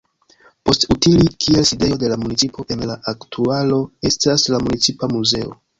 Post utili kiel sidejo de la municipo, en la aktualo estas la municipa muzeo.